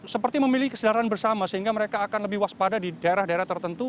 seperti memiliki kesedaran bersama sehingga mereka akan lebih waspada di daerah daerah tertentu